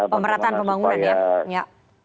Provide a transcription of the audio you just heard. pemerataan pembangunan ya